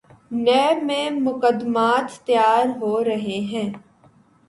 NAB میں مقدمات تیار ہو رہے ہیں۔